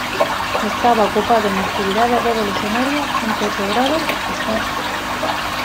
Estaba ocupado en actividades revolucionarias en Petrogrado y Tver.